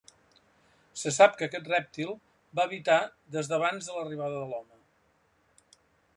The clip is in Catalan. Se sap que aquest rèptil va habitar des d'abans de l'arribada de l'home.